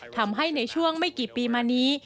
ทำให้ในช่วงไม่กี่ปีมานี้